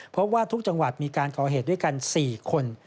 พบว่าทุกจังหวัดมีการก่อเหตุด้วยกัน๔คน